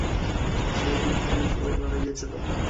সেই রিয়েলিটির সবাই মারা গিয়েছিল।